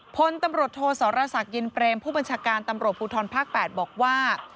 พลตำรวจโทสรษักยินเปรมผู้บัญชาการตำรวจภูทรภาค๘บอกว่า